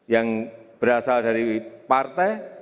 yang berasal dari partai